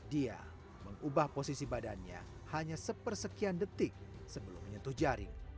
dia mengubah posisi badannya hanya sepersekian detik sebelum menyentuh jaring